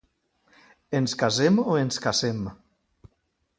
Ens casem o ens cacem?